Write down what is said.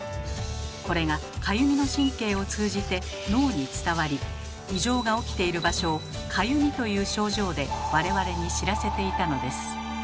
これがかゆみの神経を通じて脳に伝わり異常が起きている場所を「かゆみ」という症状で我々に知らせていたのです。